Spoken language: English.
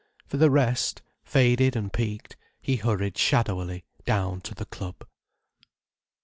For the rest, faded and peaked, he hurried shadowily down to the club.